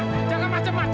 ini lagi jangan marah marah